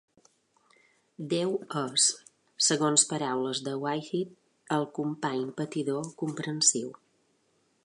Déu és, segons paraules de Whitehead, "el company patidor comprensiu".